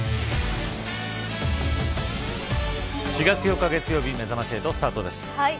４月４日月曜日めざまし８、スタートです。